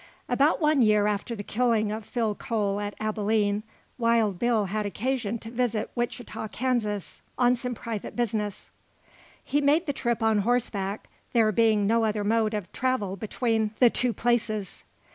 About one year after the killing of Phil Cole at Abilene, Wild Bill had occasion to visit Wichita, Kansas, on some private business. He made the trip on horseback, there being no other mode of travel between the two places.